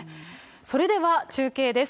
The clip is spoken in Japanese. それでは中継です。